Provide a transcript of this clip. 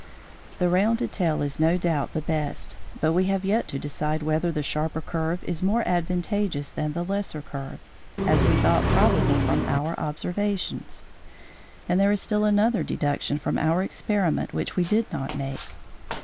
The rounded tail is no doubt the best; but we have yet to decide whether the sharper curve is more advantageous than the lesser curve, as we thought probable from our observations. And there is still another deduction from our experiment which we did not make.